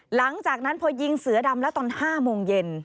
หลังจากนั้นพอยิงเสือดำแล้วตอน๕โมงเย็น